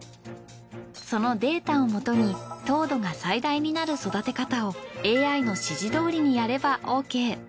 そのデータを基に糖度が最大になる育て方をＡＩの指示どおりにやればオーケー。